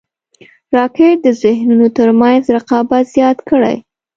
راکټ د ذهنونو تر منځ رقابت زیات کړی